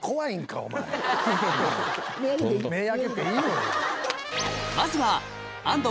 目開けていいよ。